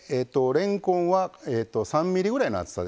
れんこんは３ｍｍぐらいの厚さですかね。